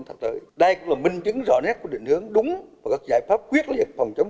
sắp tới đây cũng là minh chứng rõ nét của định hướng đúng và các giải pháp quyết liệt phòng chống